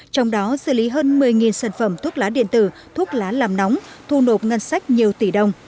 trong đó xử lý hơn một mươi sản phẩm thuốc lá điện tử thuốc lá làm nóng thu nộp ngân sách nhiều tỷ đồng